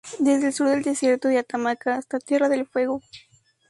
Desde el sur del desierto de Atacama, hasta Tierra del Fuego.